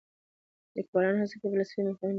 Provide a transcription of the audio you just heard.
لیکوالان هڅه کوي فلسفي مفاهیم بیان کړي.